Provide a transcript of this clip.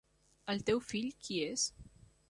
El teu fill, qui és?